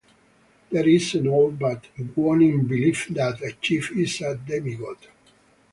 There is an old but waning belief that a chief is a demigod.